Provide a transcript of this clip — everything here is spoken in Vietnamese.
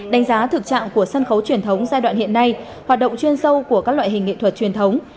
đánh giá thực trạng của sân khấu truyền thống giai đoạn hiện nay hoạt động chuyên sâu của các loại hình nghệ thuật truyền thống